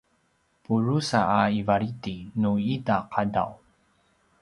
pudrusa a ivalidi nu ita qadaw